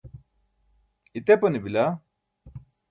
itepane bila